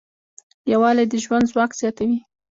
یووالی د ژوند ځواک زیاتوي.